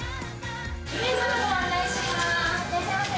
２名様、ご案内します。